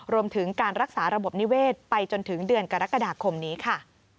รวมถึงการรักษาระบบนิเวศไปจนถึงเดือนกรกฎาคมนี้ค่ะ